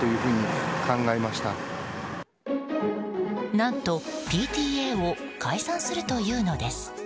何と、ＰＴＡを解散するというのです。